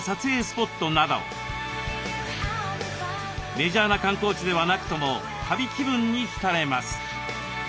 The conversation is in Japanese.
メジャーな観光地ではなくとも旅気分に浸れます。